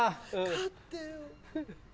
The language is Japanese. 買ってよ。